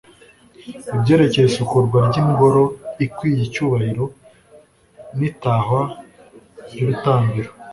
ibyerekeye isukurwa ry'ingoro ikwiye icyubahiro n'itahwa ry'urutambiro